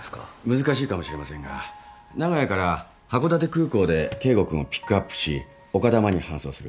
難しいかもしれませんが名古屋から函館空港で圭吾君をピックアップし丘珠に搬送する。